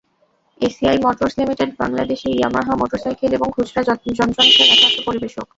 ACI motors limited বাংলাদেশে Yamaha motorcycle এবং খুচরা যন্ত্রাংশের একমাত্র পরিবেশক।